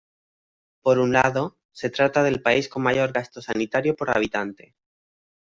Por un lado, se trata del país con mayor gasto sanitario por habitante.